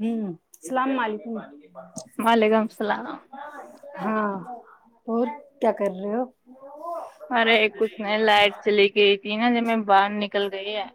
ہ اللام علیکم ا [inaudible] وعلیکم السلام ہاں اور کیا کر رہے ہو ارے کچھ ن لائٹ چلی گئی تھی نا ج میں باہر نکل گئی ہے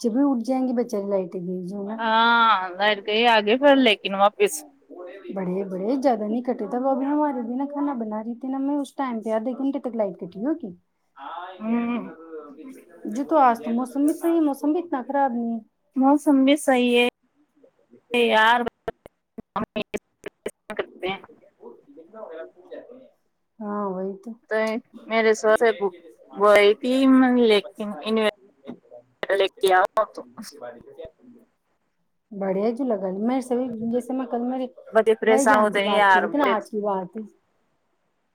چ بھی اٹھ جیں گے بچاراری لائٹ ک گ جووں نا ہاں لائٹ گئی آگے پھر لیکن واپس بڑے بڑے زیاد نہیں کٹے تو تو ابھی ہمارے دنا کانا بنا رہی ت نا میں اس ٹائم پہ آدھے گھنٹے تک لائٹ کٹی ہوگی ہوں جی توو آ موسمبی سے موسمبی نہ خراب نہیں ہے موسم بھی صحی ہے یار ہ کرتے ہیں ہاں وہی تو میرے اب سو یہ کہ سے تھ جیسے مٹر وہی تھی وغیرہ یہ لیکن انویٹر لے کے آؤ تو بڑیا جھ لگ گن میر سبھی جیسے میں کل مری بڑے پریشان جان سے ہوتے ہیں بات یار کی اتنا بڑے آج کی بات ت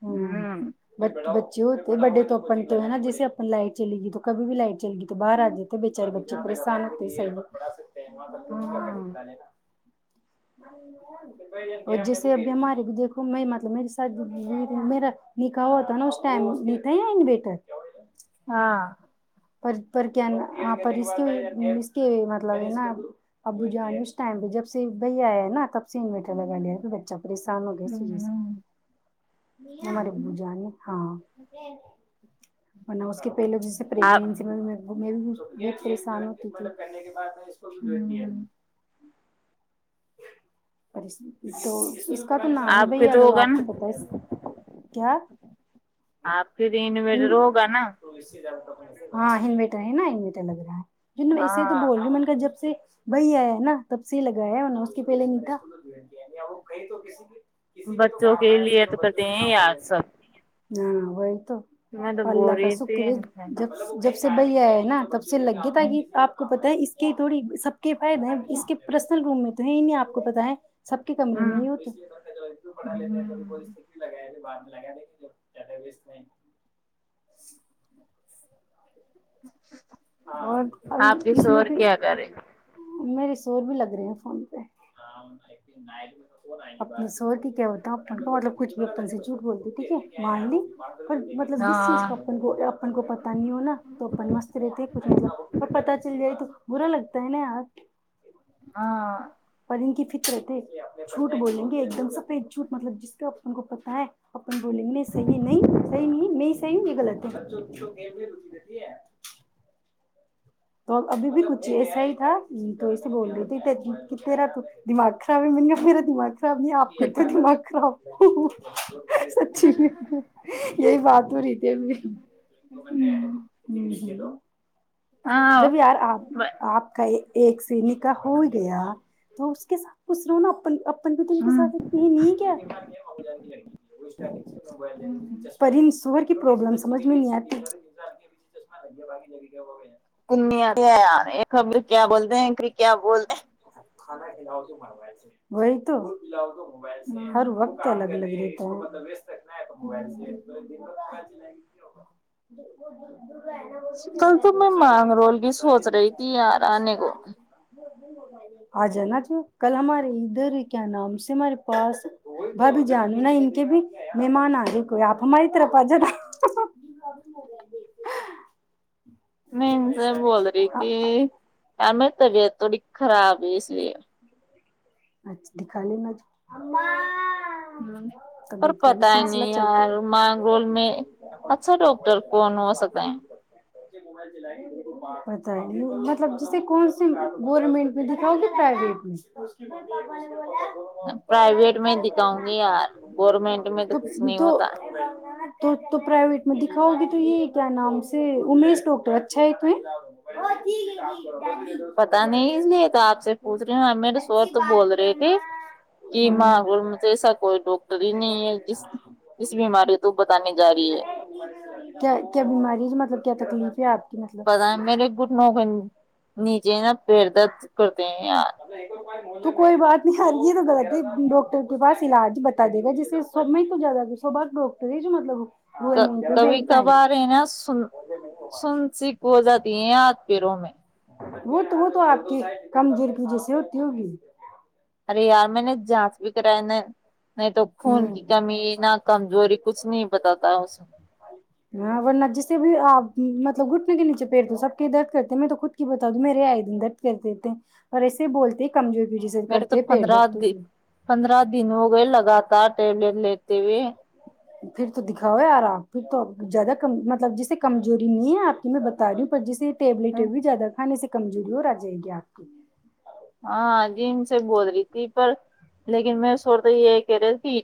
ہ ہوں ب بچے ہوتے بڈے تو پن تو ہے نا جسے لائٹ چلی گی تو کبھی بھی لائٹ جلی گی باہ آ جے بےچارے بچے پریسان سا ہوں ا نہیں اور جیسے اب بی ہمارے بھی دھو میں مطلب میری ساد میرا نکاح ہوا تھا نا اس ٹائم نٹا نہیں بیٹا ہاں پر پر کیا ہ پر اس کے اس کے مطلب ہے نا ابو جوان اس ٹائم پہ جب سے بھیا آیا ہے نا تب سے انوریٹر لگا لیا پ بچہ پریشان ہو گیا سے سے ہمارے ابو جان نے ہاں اور نم کہ پہ لو جیسے آپ پگن م میں وہ پریسان ہوتیھی مطلب پنے کے بعد کو تو اس کا تو نام ہے آپ بھ کے تو اگر ہوگا آپ نا کو پت ہے کیا آپ کے دین انویٹر ہوگا نا ہاں ہین بیٹا ہے نا ہین بیٹا لگ رہا ہے ج ایسے ہی تو ہاں بول بھی من کر جب سے وہی آیا ہے نا تب سی لگایا ہے انہوں نے پہلے ن تھا تو کسی بچوں کے لیے تو کہتے ہیں یاار سب نہابے تو میں تو بول پلا کا رہی سک تھی بھی ان سے جب جب سے بھیا ہے نا تو سے لگے تاکہ آپ کو پت ہے اس کہ تھوڑی سب فائد ہیں اس کے پرسنل روم میں تویں ہی نہیں آ کو پتا ہے سب کے کمر میں ہیڑ لیتے ہیں تھوڑی بہت لگائے بعد میں لگا د زیادہ و نہیں اور ہاں آپ کس اس میں اور کیا بھی کر رہے میرے سور بھی لگ رہے ہیں فون پہ اپنے سور کی کیا ہوتا اپن کو مطلب کچھ بھی اپن سے جھوٹ بولتے ٹھیک ہے مان لی پر مطلب جس چیز ہاں کا اپن کو اپن کو پتا نہیں ہونا تو اپن مست رہتے مطلب اور پت چل جائے تو برا لگتا ہے نا ار ہاں پر ان کی فکر تھ بولیں گے ایک دم سے پی ایکجوٹ مطلب جس کے گپت ہے ن بولیں نہیں صحی ہے نہیں صی نہیں نہیں صی یہ غلط ہے [inaudible] تو ابھی بھی کچھ ایسا ہی تھا تو س بول رہ تھی ت تیرا تو دماغ خراب ہے م گیا میرا دماغ ب نے آپ کو دمکھ رہا ہوں [inaudible] سچی نہیں یہی بات تو ریتے بھی ہاں جب یار آپ آپ کا یہ ایک سینک [unintelligible] [unintelligible] پن اپن بھی تو ان کے ساتھتے نہیں کیا پر ان سور پرابلم سمجھ میں نہیں آتی [unintelligible] یہ خبر کیا بولتے ہیں کیا بولتے ہیں وہی تو ہر وقت الگ لگ رہی [unintelligible] موبائل سے کل تو میں مانگ رول کی سوچ رہی تھی یار آنے کو [unintelligible] [unintelligible] آجانا تو کل ہمارے ادھر کیا نام سے ہمارے پاس بھابھی جان نہیں ان کے بھی مہمان آ رہے کوئی آپ ہماری طرف آجا [unintelligible] میں ان سے بول رہی کہ کیا میں طبیعت تھوڑی خراب ہے اس لیے اچھا دکھا ل م ہ اور پت ہی نہیں چلتا یار ہے مانگول میں اچھا ڈاکٹر کون ہو سکتا ہے پت ہے مطلب جیسے کون سےی گورنمنٹ میں دکھاؤ گی پرائیویٹ میں ج پرائیویٹ میں دکھاؤں گی یار گورنمنٹ میں تو کچھ نہیں تو ہوتا تو پرائیویٹ میں دکھاؤ گے تو یہ کیا نام سے امیش ڈاکٹر اچھا ہے توہ پتا نہیں اس لیے تو آپ سے پوچھ رہی ہ میں اات کہ مانگرول میں تو ایسا کوئی ڈاکٹر ہی نہیں ہے جس اس بیماری تو بتانے جا رہی ہے کیا بیماری مطلب کیا تکلیف ہے آپ کی مطلب پتا ہے میرے گٹ نوکری نیجے نا پیرد نہیں یار تو کوئی بات نہیں ہرے تو غلط ہے ڈاکٹر کے پاس علاج بتا دے گا جیسے سرم ہی تو زیادہ بعد ڈاکٹر ہی جو مطلب گورنمنٹ میں کبھی بیٹھتا کبھار ہے نا سن سن سک ہو جاتی ہے پیرو میں وہ تو وہ تو آپ کی کمزور کی جیس ہوتی ہوگی یار میں نے جانچ بھی کرائے نا نہیں تو خون ہوں کی کمی نہ کمزوری کچھ نہیں بتاتا اسب ہاں ورنہ جسے بھی آپ مطلب گھٹنے کے نیچے پییر دو سب کے درد کرتے ہیں میں تو خود کی بتا دوں میرے آئے دن درد کرتے ہیں اور ایسے بولتے ہی کمزور کی وجہ سے میرے تو کرتے پیٹ پندرہ درد تو د پندرہ دن ہو گئے لگات ٹٹیبلٹ لتیی پھر تو دکھاؤ یار آپ پھر تو زیادہ ک مطلب جسے کمزوری نہیں ہے آپ کی میں بتا رہی ہوں پر جسے ٹیبلی ٹی بھی زیاہ کھانے سے کمزوری اور آ جائے گی آپ کی ہاں جی ان سے بول رہی تھی پر لیکن میں سوتا یہ کہہ رہے ت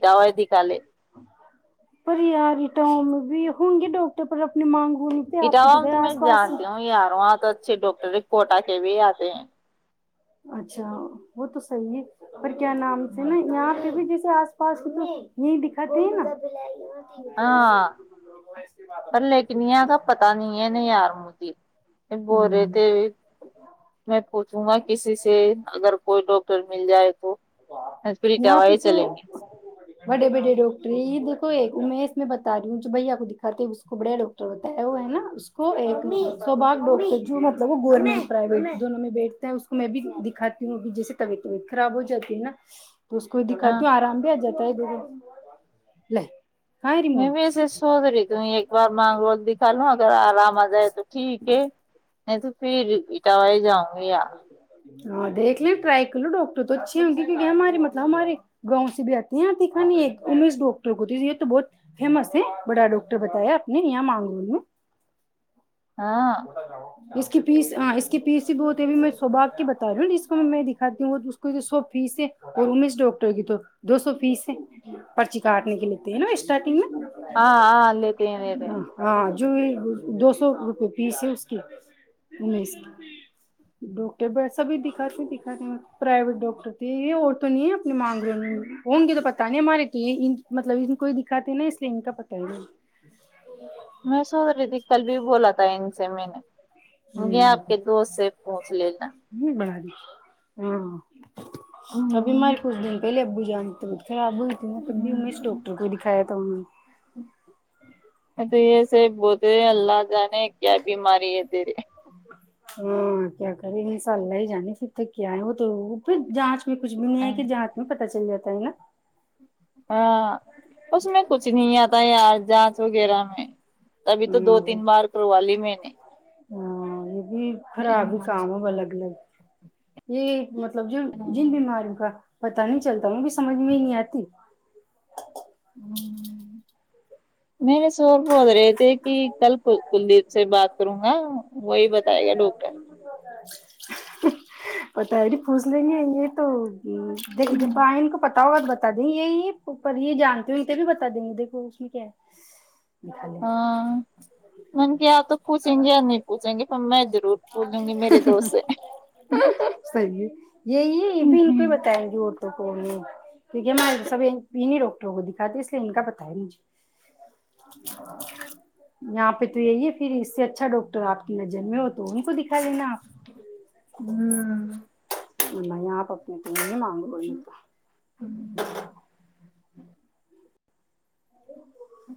پ آاریٹم بھی ہوں گی ڈاکٹر پر اپنی مانگ ہونی پہ آپ کو اٹاوا پتہ میں تو ہے میں آس پاس جانتی ہوں ی رہا ہوں آاں تو اچھے ڈاکٹر کوٹا کے بھی آتے ہیں اچھا وہ تو سح کیا نام سے نا یہاں پہ بھی جس اس آس پاس تو یہ دکھاتے ہے نا ہاں پر لیکنیا کا پتا نہیں ہے یار مجھے بورے ہ ت میں پوھ سم کسی سے اگر کوئی لوگ ٹر مل جائے تو فری یہاں پہ دوائی تو چلیں گے بڑے بڑے ڈاکٹری د کو ایک تو میں اس میں بتا رہی ہوں جو بھائی آپ کو دکھاتے ہے اس کو بڑیا ڈاکٹر بتایا ہے وہ ہے نا اس کو کو ایک بار نہیں سو بار بو جو مطلب وہ گورنمنٹ پرائیویٹ دونوں میں بیٹھ ہے ہیں اس کو میں بھی دکھاتی ہوں جیے طبیع طبیعت خراب ہو جاتی ن [unintelligible] تو اس کو ہاں دکھاتی ہو آرام بھی آ جاتا ہے لہ [unintelligible] [inaudible] میں بھی ایے سوز رہی تم ایک بار مانگ روت بھیکھا لو ہ [unintelligible] آرام آ جاۓ تو ٹھیک ہے نہیں تو پھر یہ کیانگیا ہاں دیکھ لیں ٹرائی کر لو ڈاکٹر تو اچھے ہوں گی کیونکہ ہمارے مطلب ہمارے گاؤں سے بھی آتی ہیں آتی خانی امیش ڈاکٹر کو تھی یہ تو بہت فیمس ہے بڑا ڈاکٹر بتایا آپ نے یہاں مانگور میں ہاں اس کی پیس ہاں اس کی پیس ہی بہت ہےبھی میں سوبا کی بتا رہی ہوں ج اس کو میں میں دکھاتی ہوں وہ اس کو سو پیس اور ا ڈاکٹر کی تو دو سو فیس ہے پرچی کاٹنے کے لیتے ہیں نا اسٹر ہاں ہ ال ل ت رہے ہاں جو دو سو روپے فیس ہے اس کی امیش ڈاکٹر سبھی دکھاتے دکھاتے پرائیویٹ ڈاکٹر تھے یہ اور تو نہیں ہے اپنی مانگ لوں ہوں گے تو پتا نہیں ہمارے تو یہ مطلب ان کوئی دکھاتے نا اس لیے ان کا پت ہی نہیں میں سوچ رہی تھی کل بھی بولا تھا ان سے میں نے مجھے نہیں آپ کے دوست سے پونچ لینا ہ بنا دی ہاں [unintelligible] ابھی مارے کچھ دن پہلے ا جنتر [unintelligible] خراب ہوئی تھی میں تب بھی امیش ڈاکٹر کو دکھایا تھا انہوں نے تو یہ سے بہت اللہ جانے کیا بیماری ہے دیرے ہاں کیا کرے انشاء اللہ ہی جانیے پھر تو کیا ہے وہ تو پھر جانچ میں کچھ بھی نہیں ہے کہ جہات میں پ بچہ ہی رہتا ہے نا ہاں اس میں کچھ نہیں آتا یار ج وغیرہ میں تبھی ہ تو دو تین بار کروا لی میں نے ہاں یہ بھی خراب ہی کام ہو الگ الگ یہ مطلب جو جن بیماریوں کا پتا نہیں چلتا م بھی سمجھ میں ہی نہیں آتی ہ میرے سوور بول رہے تھے کہ کل کل کلدیپ سے بات کروں گا وہی م بتائے گا سے ا ڈاکٹر م ہوتا پتا ہےب پھس لیں گے یہ تو جب بائ ان کو پتا ہوگا تو بتا دیں گے یہی پر یہ جانتے ہو تب بتا دیں گے دیکھو اس میں کیا ہے دکھا لینا ہاں م کہ آ تو پوچھیں گے نہیں پوچھیں گے پ میں ضرور بولوں گی میرے دوست سے صحیح ہے ہ ہ کیکہ میں سبی ڈاکٹروں کو دکھاتی اس لیے ان کا پتا ہے مجھے یہاں پہ تو یہی ہے پھر اس سےچ اچھ ڈاکٹر آپ کی نر جن میں ہو تو ان کو دکھا لینا آپ کو م یہ آپ اپنے کو ب [unintelligible] اچ [unintelligible]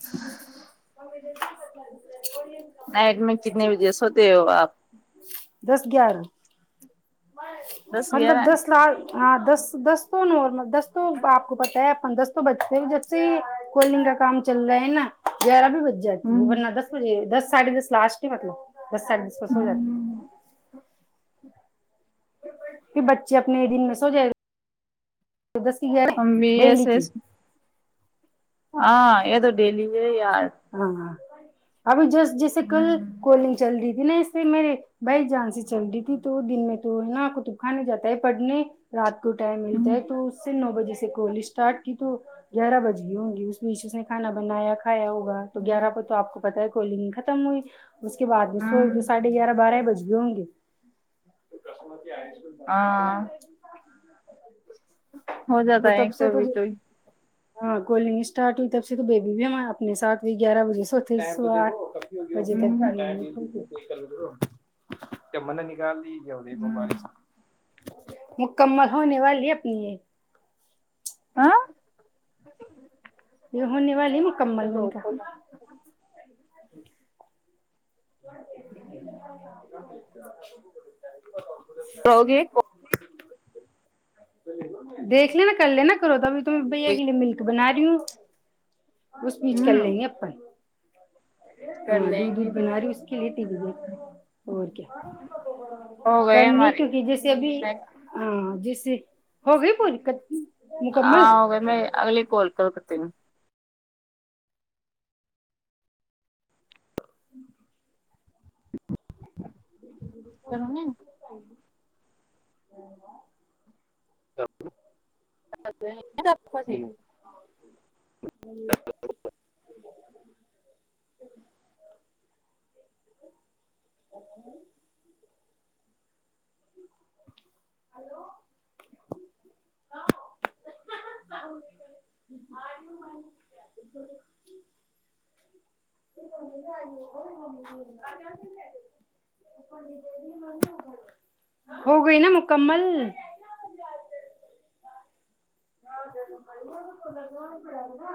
[unintelligible] نائٹ میں کتنے بجے سوتے ہو آپ دس گیارہ دس مطلب گیارہ دس لاکھ ہاں دس دس ن اور مب تو آپ کو پتا ہے پندرس تو بچے بھی جب سے کول ڈنگ کا کام چل رہا ہے نا گیارہ بھی ب جاتی ہے ورنہ دس بجے دس سے سلاس کے مطلب بس س سو س ہو جات کہ بچے اپنے دن میں سو جائے گ جودستی یر ہم بھی ڈہلی کی ایسے ہاں یہ دو ڈیلی یار ہاں ہ ابھی جس جیسے کل ہوں کوالنگ چل رہی تھی دن سے میرے بھائی جان سے چل رہی تھی تو دن میں تو ہے نا کتب خانے جاتا ہے پڑھنے رات کو ٹائم ملتا ہوں ہے تو اس سے نو بجے سے کال اسٹارٹ کی تو گیارہ بج گی ہوںگی اس بیچ اس نے کھانا بنایا کھایا ہوگ تو گیارہ کو تو آ کو پت ہے کالنگ ختم ہوئی اس کے بعد میں سو ہوں، دو ساھے گیارہ بارہ بج گئے ہوں گے ہاں ہو جاتا تو ہے تب ایک سے تو بھی توئی ہاں کولنگ اسٹارٹ ہوئی تب سے تو بیبی بھی اپنے ساتھ ا گیارہ بجے سو تس سو آٹ اجے تک ہوں نہیں م من نگال د کو ہوں، بار مکمل ہونے والی اپنی یہ [inaudible] یہ ہونے والی مکمل میں ان کرو کا [inaudible] روگی دیکھ لینا کر لینا کرو تبھی ت میں بھیا کے لیے ملک بنا رہی ہوں اس بیچ کر ہوں لیں گے اپن کر ہاں لیں دودھ گے وودھ ہو بنا رہی اس کی [inaudible] اور کیا گئے کرنے ہمارے کیکہ جیسے ابھی ہاں جیسے ہو گئی پ مکمل ہاں ہو گئے میں اگلی کال کر کرتی [inaudible] [inaudible] [unintelligible] [inaudible] [inaudible] [inaudible] [inaudible] ہلو ہو گئی نا مکمل پا گا